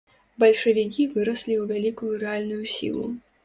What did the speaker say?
Бальшавікі выраслі ў вялікую рэальную сілу.